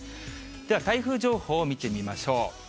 では台風情報を見てみましょう。